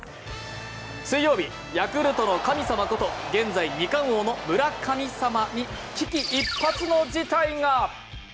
水曜日、ヤクルトの神様こと現在二冠王の村神様に危機一髪の事態が。